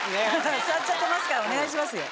座っちゃってますからお願いしますよ。